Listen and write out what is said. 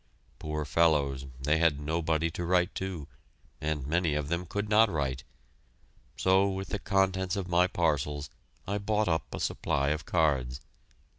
Poor fellows, they had nobody to write to, and many of them could not write. So with the contents of my parcels I bought up a supply of cards.